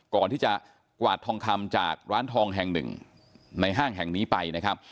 ก่อนที่จะกวาดทองคำจากร้านทองแห่งหนึ่งในห้างแห่งนี้ไปนะครับ